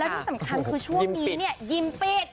แล้วที่ที่สำคัญคือช่วงนี้ยิ้มปิด